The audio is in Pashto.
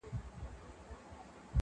تل دي ښاد وي پر دنیا چي دي دوستان وي!